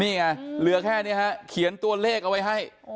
นี่ไงเหลือแค่นี้ฮะเขียนตัวเลขเอาไว้ให้